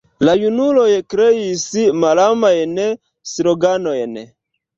La junuloj kriis malamajn sloganojn.